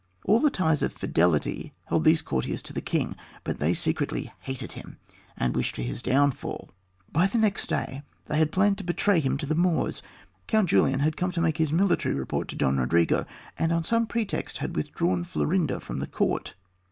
All the ties of fidelity held these courtiers to the king; but they secretly hated him, and wished for his downfall. By the next day they had planned to betray him to the Moors. Count Julian had come to make his military report to Don Rodrigo, and on some pretext had withdrawn Florinda from the court.